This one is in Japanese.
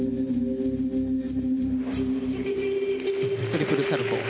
トリプルサルコウ。